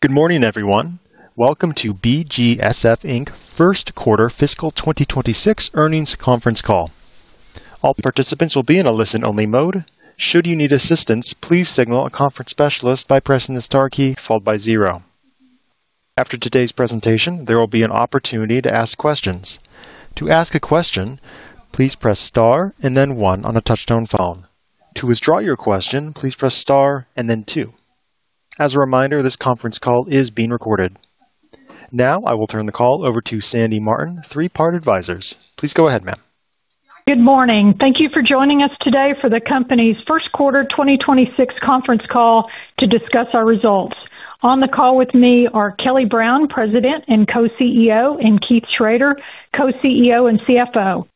Good morning, everyone. Welcome to BGSF, Inc. first quarter fiscal 2026 earnings conference call. All participants will be in a listen-only mode. Should you need assistance, please signal a conference specialist by pressing the star key followed by zero. After today's presentation, there will be an opportunity to ask questions. To ask a question, please press star and then one on a touch-tone phone. To withdraw your question, please press star and then two. As a reminder, this conference call is being recorded. Now I will turn the call over to Sandy Martin, Three Part Advisors. Please go ahead, ma'am. Good morning. Thank you for joining us today for the company's first quarter 2026 conference call to discuss our results. On the call with me are Kelly Brown, President and Co-CEO, and Keith Schroeder, Co-CEO and CFO.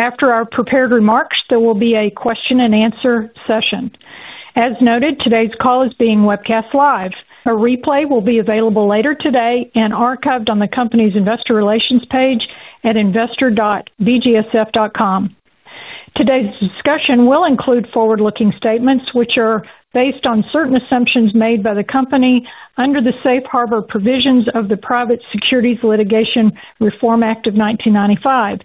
After our prepared remarks, there will be a question-and-answer session. As noted, today's call is being webcast live. A replay will be available later today and archived on the company's investor relations page at investor.bgsf.com. Today's discussion will include forward-looking statements, which are based on certain assumptions made by the company under the Safe Harbor provisions of the Private Securities Litigation Reform Act of 1995.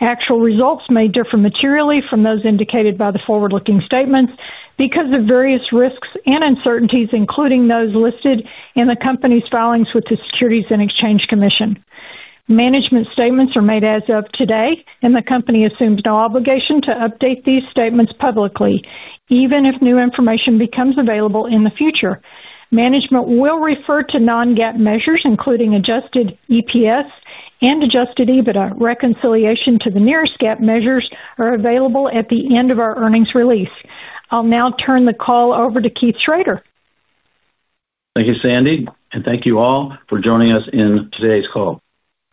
Actual results may differ materially from those indicated by the forward-looking statements because of various risks and uncertainties, including those listed in the company's filings with the Securities and Exchange Commission. Management statements are made as of today, and the company assumes no obligation to update these statements publicly, even if new information becomes available in the future. Management will refer to non-GAAP measures, including adjusted EPS and adjusted EBITDA. Reconciliation to the nearest GAAP measures are available at the end of our earnings release. I'll now turn the call over to Keith Schroeder. Thank you, Sandy, and thank you all for joining us in today's call.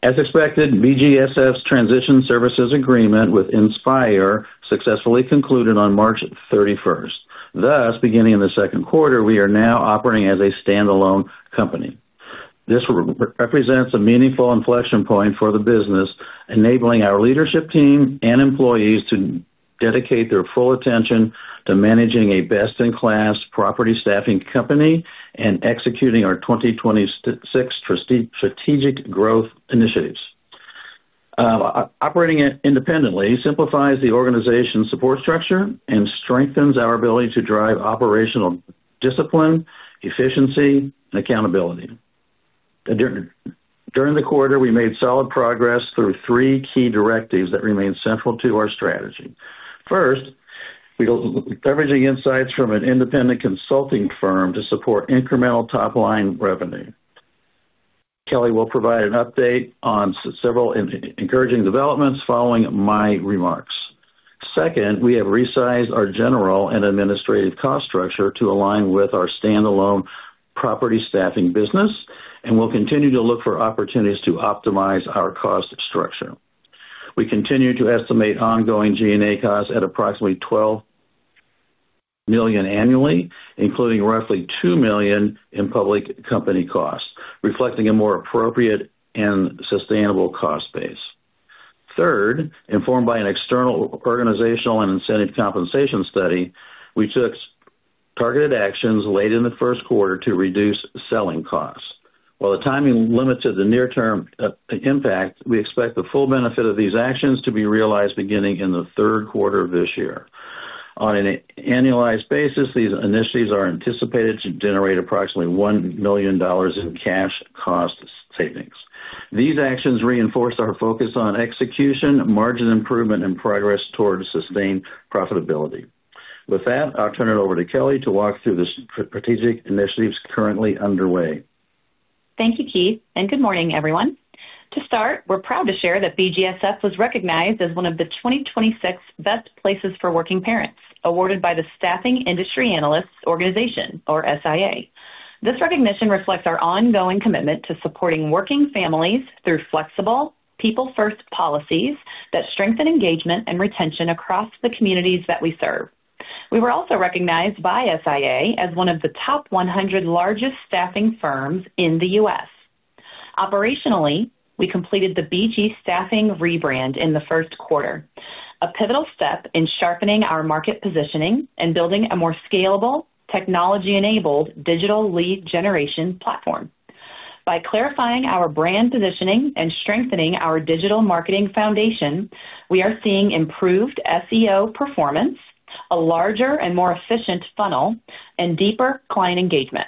As expected, BGSF's transition services agreement with INSPYR Solutions successfully concluded on March 31st. Thus, beginning in the second quarter, we are now operating as a standalone company. This represents a meaningful inflection point for the business, enabling our leadership team and employees to dedicate their full attention to managing a best-in-class property staffing company and executing our 2026 strategic growth initiatives. Operating independently simplifies the organization's support structure and strengthens our ability to drive operational discipline, efficiency, and accountability. During the quarter, we made solid progress through three key directives that remain central to our strategy. First, we'll be leveraging insights from an independent consulting firm to support incremental top-line revenue. Kelly will provide an update on several encouraging developments following my remarks. We have resized our general and administrative cost structure to align with our standalone property staffing business, and we'll continue to look for opportunities to optimize our cost structure. We continue to estimate ongoing G&A costs at approximately $12 million annually, including roughly $2 million in public company costs, reflecting a more appropriate and sustainable cost base. Informed by an external organizational and incentive compensation study, we took targeted actions late in the first quarter to reduce selling costs. While the timing limits is the near term impact, we expect the full benefit of these actions to be realized beginning in the third quarter of this year. On an annualized basis, these initiatives are anticipated to generate approximately $1 million in cash cost savings. These actions reinforce our focus on execution, margin improvement, and progress towards sustained profitability. With that, I'll turn it over to Kelly to walk through the strategic initiatives currently underway. Thank you, Keith. Good morning, everyone. To start, we're proud to share that BGSF was recognized as one of the 2026 Best Places for Working parents, awarded by the Staffing Industry Analysts organization, or SIA. This recognition reflects our ongoing commitment to supporting working families through flexible people-first policies that strengthen engagement and retention across the communities that we serve. We were also recognized by SIA as one of the top 100 largest staffing firms in the U.S. Operationally, we completed the BG Staffing rebrand in the first quarter, a pivotal step in sharpening our market positioning and building a more scalable technology-enabled digital lead generation platform. By clarifying our brand positioning and strengthening our digital marketing foundation, we are seeing improved SEO performance, a larger and more efficient funnel, and deeper client engagement.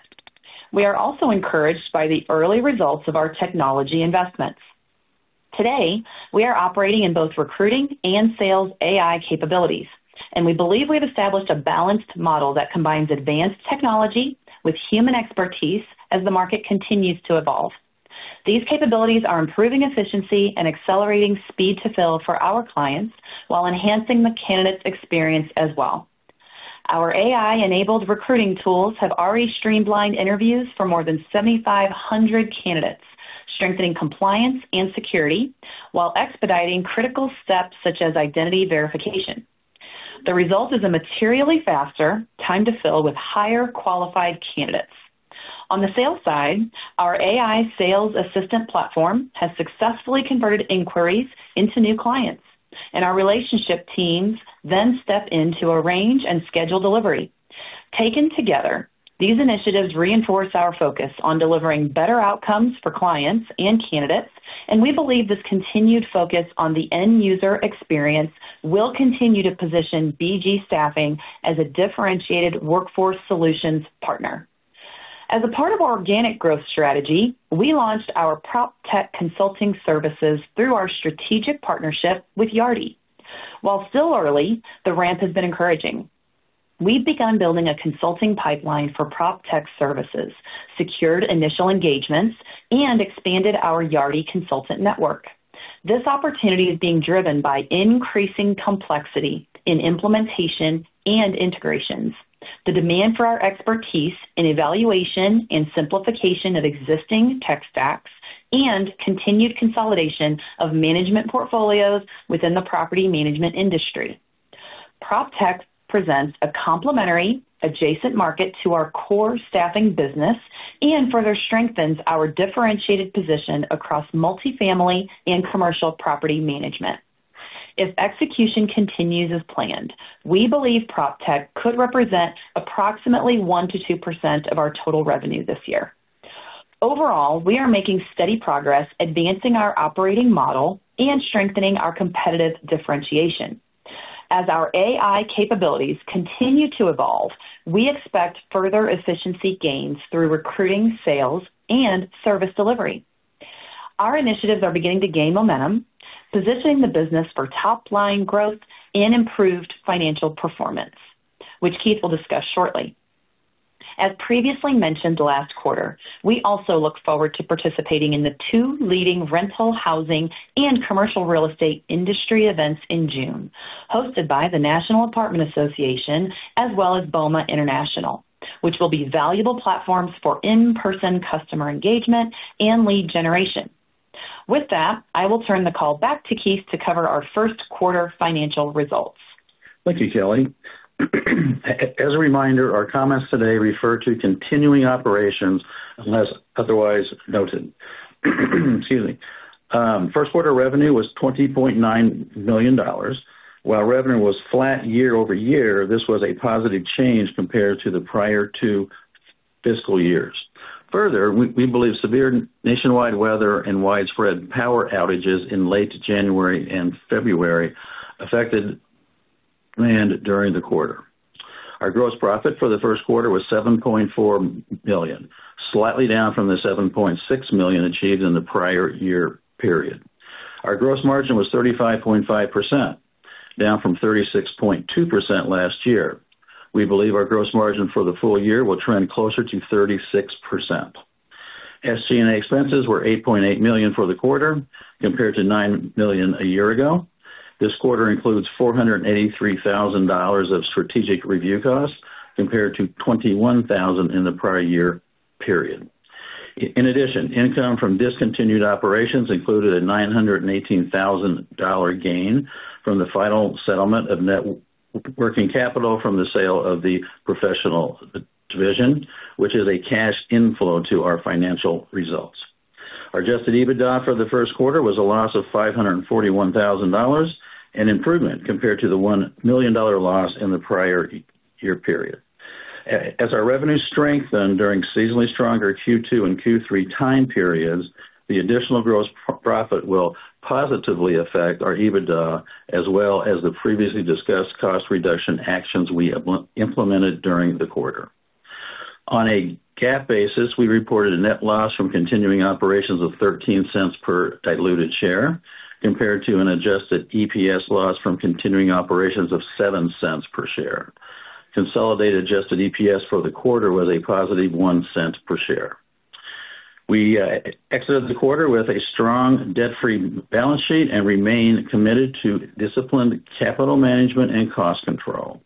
We are also encouraged by the early results of our technology investments. Today, we are operating in both recruiting and sales AI capabilities. We believe we've established a balanced model that combines advanced technology with human expertise as the market continues to evolve. These capabilities are improving efficiency and accelerating speed to fill for our clients while enhancing the candidate's experience as well. Our AI-enabled recruiting tools have already streamlined interviews for more than 7,500 candidates, strengthening compliance and security while expediting critical steps such as identity verification. The result is a materially faster time to fill with higher qualified candidates. On the sales side, our AI sales assistant platform has successfully converted inquiries into new clients. Our relationship teams then step in to arrange and schedule delivery. Taken together, these initiatives reinforce our focus on delivering better outcomes for clients and candidates. We believe this continued focus on the end user experience will continue to position BG Staffing as a differentiated workforce solutions partner. As a part of our organic growth strategy, we launched our PropTech consulting services through our strategic partnership with Yardi. While still early, the ramp has been encouraging. We've begun building a consulting pipeline for PropTech services, secured initial engagements, and expanded our Yardi consultant network. This opportunity is being driven by increasing complexity in implementation and integrations, the demand for our expertise in evaluation and simplification of existing tech stacks, and continued consolidation of management portfolios within the property management industry. PropTech presents a complementary adjacent market to our core staffing business and further strengthens our differentiated position across multifamily and commercial property management. If execution continues as planned, we believe PropTech could represent approximately 1%-2% of our total revenue this year. Overall, we are making steady progress advancing our operating model and strengthening our competitive differentiation. As our AI capabilities continue to evolve, we expect further efficiency gains through recruiting, sales, and service delivery. Our initiatives are beginning to gain momentum, positioning the business for top line growth and improved financial performance, which Keith will discuss shortly. As previously mentioned last quarter, we also look forward to participating in the two leading rental, housing, and commercial real estate industry events in June, hosted by the National Apartment Association as well as BOMA International, which will be valuable platforms for in-person customer engagement and lead generation. With that, I will turn the call back to Keith to cover our first quarter financial results. Thank you, Kelly. As a reminder, our comments today refer to continuing operations unless otherwise noted. Excuse me. First quarter revenue was $20.9 million. While revenue was flat year-over-year, this was a positive change compared to the prior two fiscal years. Further, we believe severe nationwide weather and widespread power outages in late January and February affected demand during the quarter. Our gross profit for the first quarter was $7.4 million, slightly down from the $7.6 million achieved in the prior year period. Our gross margin was 35.5%, down from 36.2% last year. We believe our gross margin for the full year will trend closer to 36%. SG&A expenses were $8.8 million for the quarter compared to $9 million a year ago. This quarter includes $483,000 of strategic review costs, compared to $21,000 in the prior year period. In addition, income from discontinued operations included a $918,000 gain from the final settlement of net working capital from the sale of the Professional Division, which is a cash inflow to our financial results. Our adjusted EBITDA for the first quarter was a loss of $541,000, an improvement compared to the $1 million loss in the prior year period. As our revenue strengthened during seasonally stronger Q2 and Q3 time periods, the additional gross profit will positively affect our EBITDA, as well as the previously discussed cost reduction actions we have implemented during the quarter. On a GAAP basis, we reported a net loss from continuing operations of $0.13 per diluted share compared to an adjusted EPS loss from continuing operations of $0.07 per share. Consolidated adjusted EPS for the quarter was a positive $0.01 per share. We exited the quarter with a strong debt-free balance sheet and remain committed to disciplined capital management and cost control.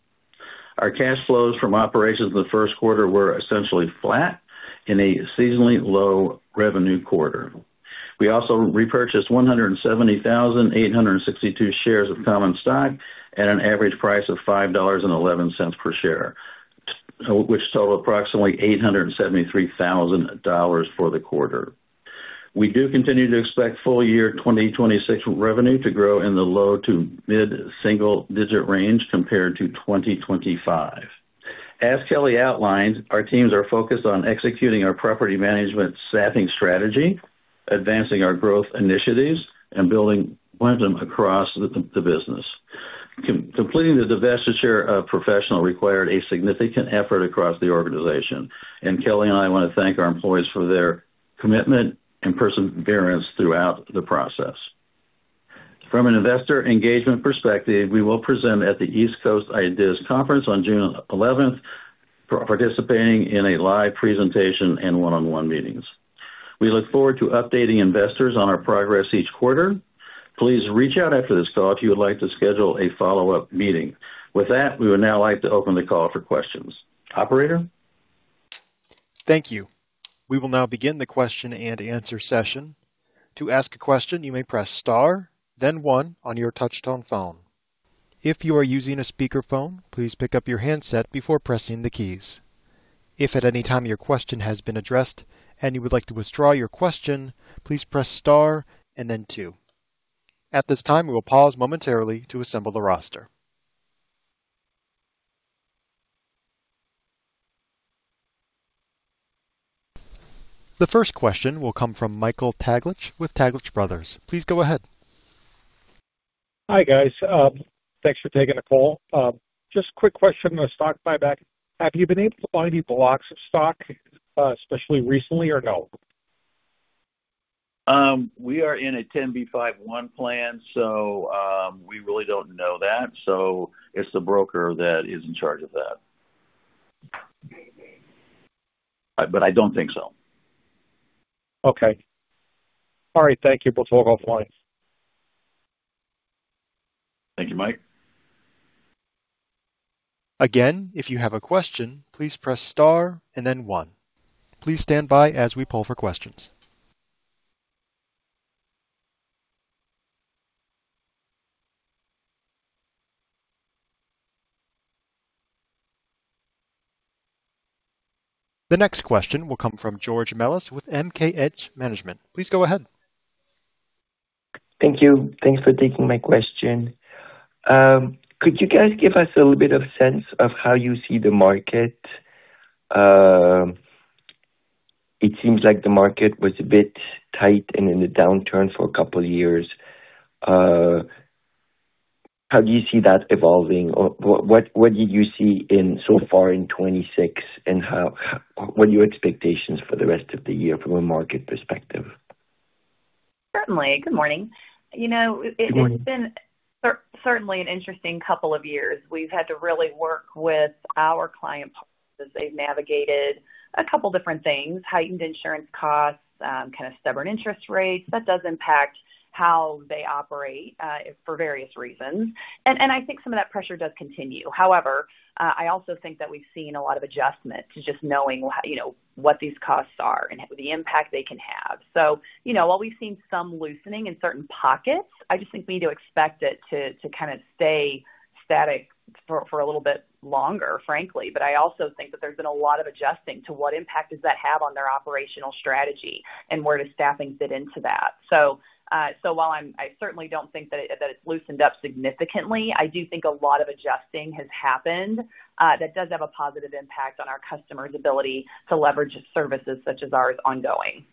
Our cash flows from operations in the first quarter were essentially flat in a seasonally low revenue quarter. We also repurchased 170,862 shares of common stock at an average price of $5.11 per share, which total approximately $873,000 for the quarter. We do continue to expect full year 2026 revenue to grow in the low to mid-single-digit range compared to 2025. As Kelly outlined, our teams are focused on executing our property management staffing strategy, advancing our growth initiatives, and building momentum across the business. Completing the divestiture of Professional required a significant effort across the organization, Kelly and I want to thank our employees for their commitment and perseverance throughout the process. From an investor engagement perspective, we will present at the East Coast IDEAS Conference on June 11th, participating in a live presentation and one-on-one meetings. We look forward to updating investors on our progress each quarter. Please reach out after this call if you would like to schedule a follow-up meeting. With that, we would now like to open the call for questions. Operator? Thank you. We will now begin the question and answer session. The first question will come from Michael Taglich with Taglich Brothers. Please go ahead. Hi, guys. Thanks for taking the call. Just quick question on the stock buyback. Have you been able to buy any blocks of stock, especially recently or no? We are in a 10b5-1 plan, we really don't know that. It's the broker that is in charge of that. I don't think so. Okay. All right. Thank you. We'll follow offline. Thank you, Mike. Again, if you have a question, please press star and then one. The next question will come from George Melis with MKH Management. Please go ahead. Thank you. Thanks for taking my question. Could you guys give us a little bit of sense of how you see the market? It seems like the market was a bit tight and in a downturn for a couple years. How do you see that evolving or what do you see in so far in 2026? What are your expectations for the rest of the year from a market perspective? Certainly. Good morning. Good morning. It's been certainly an interesting couple of years. We've had to really work with our client partners as they've navigated a couple different things, heightened insurance costs, kind of stubborn interest rates. That does impact how they operate for various reasons. And I think some of that pressure does continue. However, I also think that we've seen a lot of adjustment to just knowing you know, what these costs are and the impact they can have. While we've seen some loosening in certain pockets, I just think we need to expect it to kind of stay static for a little bit longer, frankly. I also think that there's been a lot of adjusting to what impact does that have on their operational strategy and where does staffing fit into that. While I certainly don't think that it's loosened up significantly, I do think a lot of adjusting has happened, that does have a positive impact on our customers' ability to leverage services such as ours ongoing.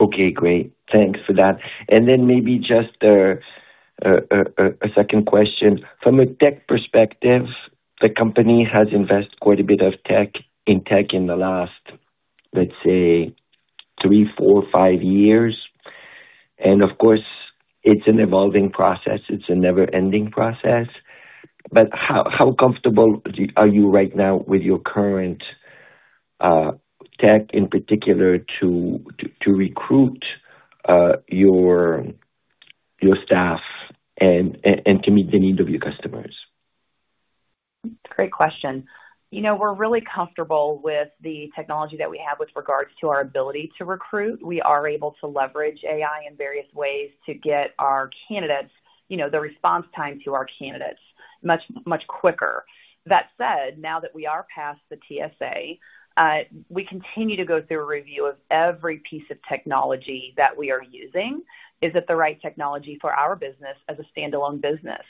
Okay, great. Thanks for that. Then maybe just a second question. From a tech perspective, the company has invested quite a bit of tech, in tech in the last, let's say, three, four, five years. Of course, it's an evolving process. It's a never-ending process. How comfortable are you right now with your current tech in particular to recruit your staff and to meet the needs of your customers? Great question. You know, we're really comfortable with the technology that we have with regards to our ability to recruit. We are able to leverage AI in various ways to get our candidates, you know, the response time to our candidates much, much quicker. That said, now that we are past the TSA, we continue to go through a review of every piece of technology that we are using. Is it the right technology for our business as a standalone business?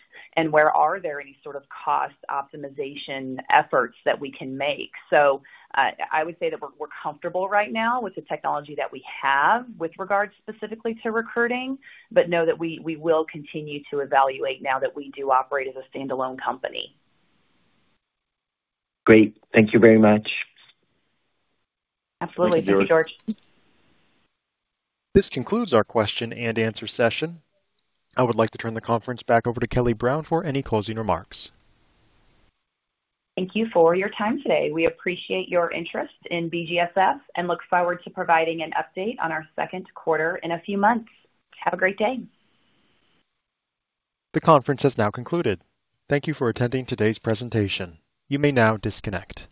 Where are there any sort of cost optimization efforts that we can make? I would say that we're comfortable right now with the technology that we have with regards specifically to recruiting, but know that we will continue to evaluate now that we do operate as a standalone company. Great. Thank you very much. Absolutely. This concludes our question and answer session. I would like to turn the conference back over to Kelly Brown for any closing remarks. Thank you for your time today. We appreciate your interest in BGSF and look forward to providing an update on our second quarter in a few months. Have a great day. The conference has now concluded. Thank you for attending today's presentation. You may now disconnect.